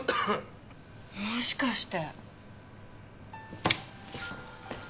もしかして。